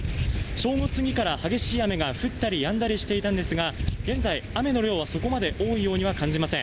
正午すぎから激しい雨がふったりやんだりしていたんですが、現在、雨の量はそこまで多いようには感じません。